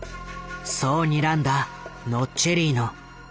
そうにらんだノッチェリーノ。